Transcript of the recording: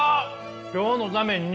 今日のために？